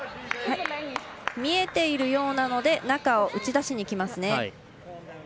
見えているようなので中を打ち出しにきますね。